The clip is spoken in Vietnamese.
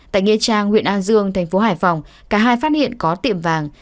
tại nghĩa trang huyện an dương thành phố hải phòng cả hai phát hiện có tiệm vàng